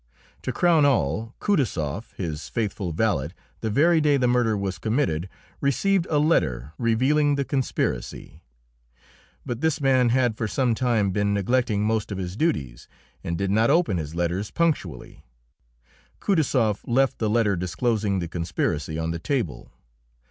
To crown all, Kutaisoff, his faithful valet, the very day the murder was committed received a letter revealing the conspiracy; but this man had for some time been neglecting most of his duties, and did not open his letters punctually. Kutaisoff left the letter disclosing the conspiracy on the table.